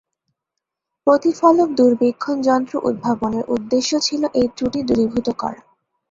প্রতিফলক দূরবীক্ষণ যন্ত্র উদ্ভাবনের উদ্দেশ্য ছিল এই ত্রুটি দূরীভূত করা।